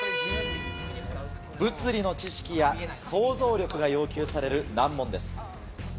物理の知識や想像力が要求される難問です。